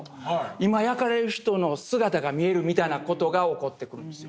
今焼かれる人の姿が見えるみたいな事が起こってくるんですよ。